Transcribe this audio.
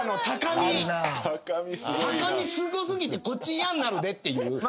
高みすご過ぎてこっち嫌んなるでっていう。